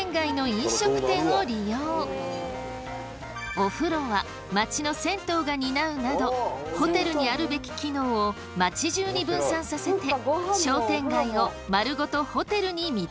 お風呂は街の銭湯が担うなどホテルにあるべき機能を街じゅうに分散させて商店街を丸ごとホテルに見立てているんです。